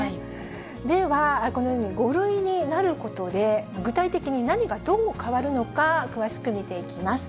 では、このように５類になることで、具体的に何がどう変わるのか、詳しく見ていきます。